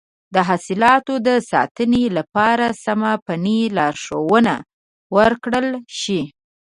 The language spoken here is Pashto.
د حاصلاتو د ساتنې لپاره سمه فني لارښوونه ورکړل شي.